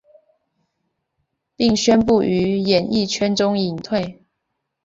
并宣布于演艺圈中隐退。